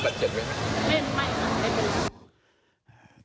ไม่ค่ะ